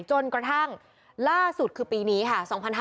จนกระทั่งล่าสุดคือปีนี้ค่ะ